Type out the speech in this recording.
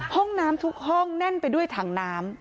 ห้องน้ำทุกห้องแน่นไปด้วยถังน้ำ